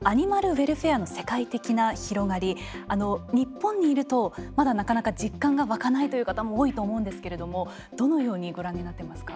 日本にいるとまだなかなか実感が湧かないという方も多いと思うんですけれどもどのようにご覧になってますか？